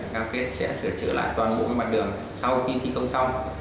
cam kết sẽ sửa chữa lại toàn bộ mặt đường sau khi thi công xong